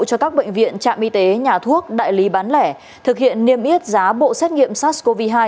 cho các bệnh viện trạm y tế nhà thuốc đại lý bán lẻ thực hiện niêm yết giá bộ xét nghiệm sars cov hai